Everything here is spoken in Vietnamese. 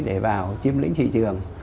để vào chiếm lĩnh thị trường